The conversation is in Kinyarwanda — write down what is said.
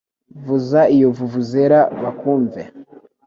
Vuza iyo vuvuzela bakumve